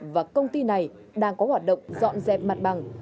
và công ty này đang có hoạt động dọn dẹp mặt bằng